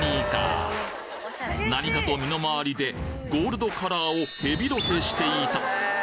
何かと身の回りでゴールドカラーをヘビロテしていた！